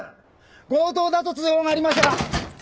強盗だと通報がありましたが大丈夫ですか？